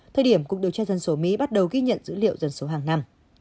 thời điểm cuộc điều tra dân số mỹ bắt đầu ghi nhận dữ liệu dân số hàng năm